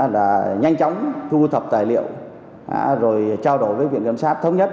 là nhanh chóng thu thập tài liệu rồi trao đổi với viện kiểm sát thống nhất